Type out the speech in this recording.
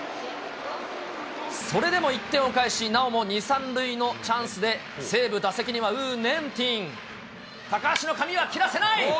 それでも１点を返し、なおも２、３塁のチャンスで、西武、打席にはウーネンティン高橋の髪は切らせない！